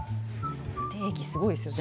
ステーキすごいですよね。